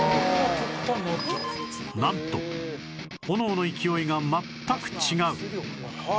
なんと炎の勢いが全く違う